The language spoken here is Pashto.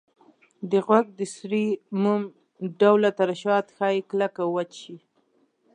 د غوږ د سوري موم ډوله ترشحات ښایي کلک او وچ شي.